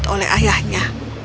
dia akan menemukan ayahnya